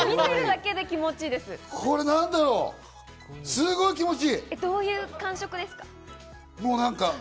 すっごい気持ちいい！どういう感触ですか？